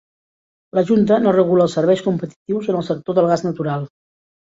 La Junta no regula els serveis competitius en el sector del gas natural.